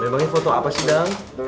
memangnya foto apa sih dong